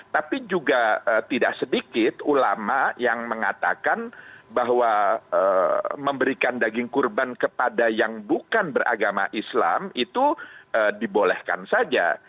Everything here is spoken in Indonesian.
tapi juga tidak sedikit ulama yang mengatakan bahwa memberikan daging kurban kepada yang bukan beragama islam itu dibolehkan saja